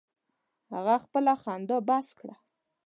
هغه خپله خندا بس کړه.